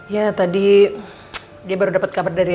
ya tadi dia baru dapat kabar dari